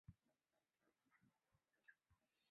这是村上春树的第九部长篇小说。